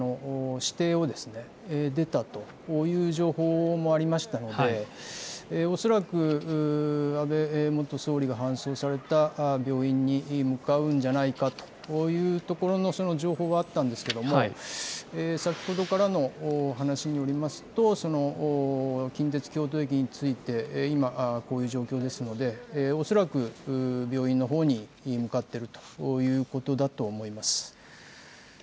私邸を出たという情報もありましたので、恐らく安倍元総理が搬送された病院に向かうんじゃないかというところの、その情報があったんですけれども、先ほどからの話によりますと、近鉄京都駅に着いて、今、こういう状況ですので、恐らく病院のほうに向かっているということだと思います。